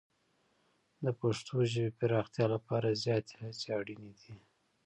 د پښتو ژبې پراختیا لپاره زیاتې هڅې اړینې دي.